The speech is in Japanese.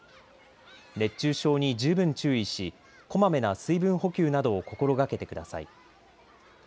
熱中症に十分注意し、こまめな水分補給などを心がけてください。